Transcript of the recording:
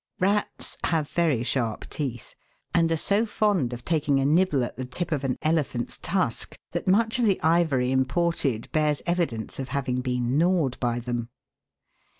Rats have very sharp teeth, and are so fond of taking a nibble at the tip of an elephant's tusk that much of the ivory imported bears evidence of having been gnawed by them.